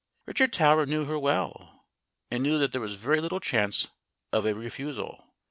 Richard Tower knew her well, and knew that there was very little chance of a refusal.